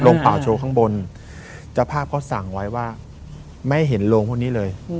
โรงเปล่าโชว์ข้างบนสภาพเขาสั่งไว้ว่าไม่ให้เห็นโรงพวกนี้เลย